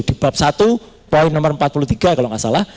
di bab satu poin nomor empat puluh tiga kalau nggak salah